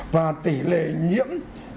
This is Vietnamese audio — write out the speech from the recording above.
và tỷ lệ nhiễm